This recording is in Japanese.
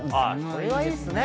それはいいっすね。